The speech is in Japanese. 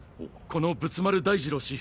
この仏丸大二郎氏